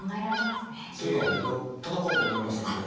というか戦うと思いますので。